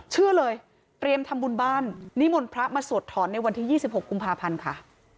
เชื่อเลยเตรียมทำบุญบ้านนิมนต์พระมาสวดถอนในวันที่๒๖กุมภาพันธ์ค่ะ